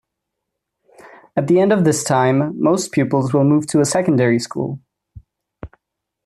At the end of this time, most pupils will move to a secondary school.